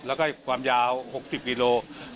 แล้วก็ให้ความยาว๖๐กิโลกรัม